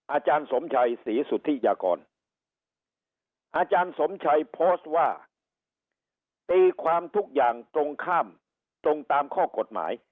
อาจารย์สมชัยศรีสุธิยากรอาจารย์สมชัยโพสต์ว่าตีความทุกอย่างตรงข้ามตรงตามข้อกฎหมาย